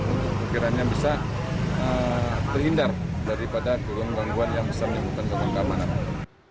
kekiranya bisa terhindar daripada kemengkuman yang besar yang bukan pengamanan